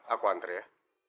aku antar ya